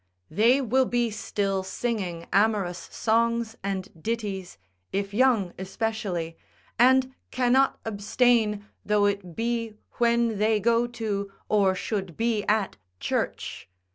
They will be still singing amorous songs and ditties (if young especially), and cannot abstain though it be when they go to, or should be at church.